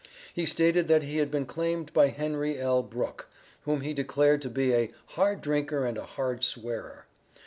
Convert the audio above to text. He stated that he had been claimed by Henry L. Brooke, whom he declared to be a "hard drinker and a hard swearer."